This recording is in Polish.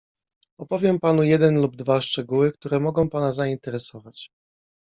"Opowiem panu jeden lub dwa szczegóły, które mogą pana zainteresować."